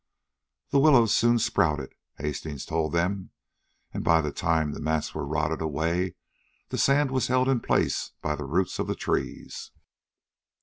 The willows soon sprouted, Hastings told them, and by the time the mats were rotted away the sand was held in place by the roots of the trees.